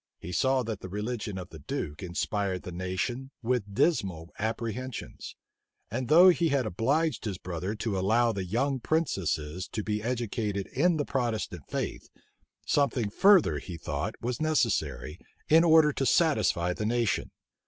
He saw that the religion of the duke inspired the nation with dismal apprehensions; and though he had obliged his brother to allow the young princesses to be educated in the Protestant faith, something further, he thought, was necessary, in order to satisfy the nation.